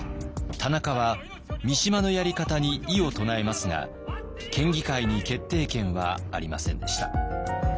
田中は三島のやり方に異を唱えますが県議会に決定権はありませんでした。